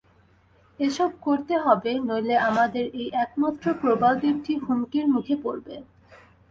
এসব করতে হবে, নইলে আমাদের এই একমাত্র প্রবালদ্বীপটি হুমকির মুখে পড়বে।